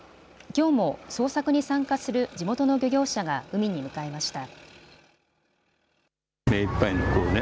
きょうも捜索に参加する地元の漁業者が海に向かいました。